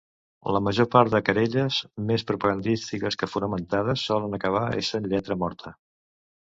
La major part de querelles, més propagandístiques que fonamentades, solen acabar essent lletra morta.